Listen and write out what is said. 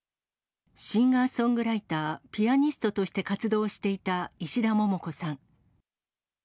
シンガーソングライター、ピアニストとして活動していた石田桃子さん。